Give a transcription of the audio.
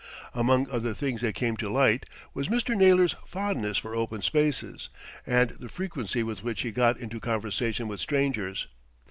Among other things that came to light was Mr. Naylor's fondness for open spaces, and the frequency with which he got into conversation with strangers.